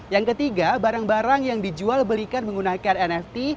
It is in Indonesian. yang ketiga barang barang yang dijual belikan menggunakan nft